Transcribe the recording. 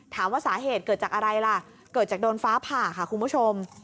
ถามว่าสาเหตุเกิดจากอะไรล่ะเกิดจากโดนฟ้าผ่าค่ะคุณผู้ชม